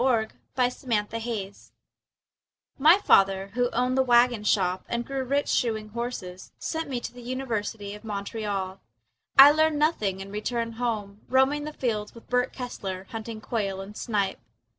Percy Bysshe Shelley My father who owned the wagon shop And grew rich shoeing horses Sent me to the University of Montreal. I learned nothing and returned home, Roaming the fields with Bert Kessler, Hunting quail and snipe.